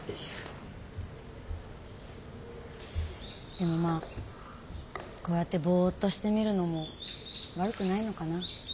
でもまあこうやってぼっとしてみるのも悪くないのかな。